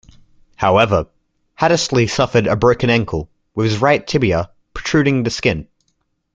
However, Hattersley suffered a broken ankle, with his right tibia protruding the skin.